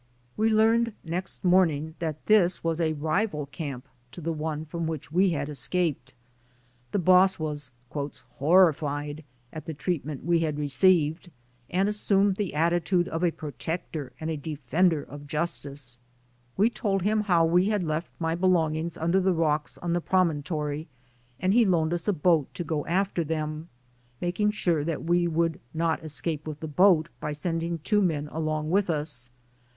We learned next morning that this was a rival camp to the one from which we had escaped. The bo3s was "horrified" at the treatment we had re ceived, and assumed the attitude of a protector and a defender of justice. We told him how we had left my belongings under the rocks on the promontory and he loaned us a boat to go after them, making sure that we would not escape with the boat, by sending two men along with us.